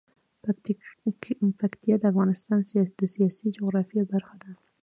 پکتیا د افغانستان د سیاسي جغرافیه برخه ده.